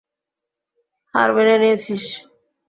হার মেনে নিয়েছিস?